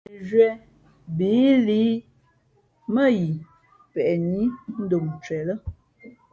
Mʉnzhwē bií lǐ mά yi peʼ nǐ ndom ncwen lά ?